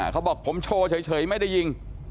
เขาบอกผมโชว์เฉยไม่ได้ยิง